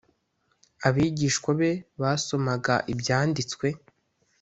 abigishwa be basomaga ibyanditswe